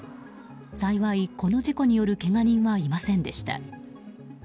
幸い、この事故によるけが人はいませんでした。